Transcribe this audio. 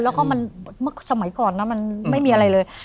แล้วก็มันเมื่อสมัยก่อนนะมันไม่มีอะไรเลย